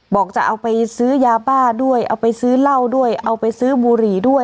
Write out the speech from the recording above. บอกจะเอาไปซื้อยาบ้าด้วยเอาไปซื้อเหล้าด้วยเอาไปซื้อบุหรี่ด้วย